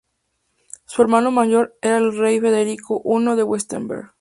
Su hermano mayor era el rey Federico I de Wurtemberg.